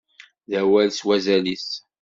D awal s wazal-is.